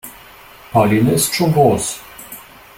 Pauline ist schon groß.